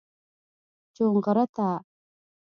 چونغرته